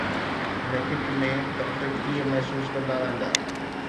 هن کٽ ۾ ڊاڪٽر ڪيئن محسوس ڪندا رهندا؟